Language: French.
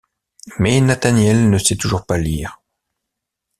Mais Nathaniel ne sait toujours pas lire.